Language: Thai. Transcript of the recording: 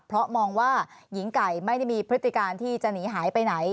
เพราะมองว่าหญิงไก่ไม่ได้มีพฤติการที่จะหนีหายไปไหน